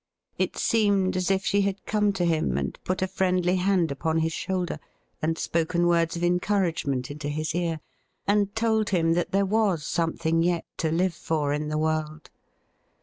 It seemed as if she had come to him and put a friendly hand upon his shoulder, and spoken words of encouragement into his ear, and told him that there weis something yet to live for in the world.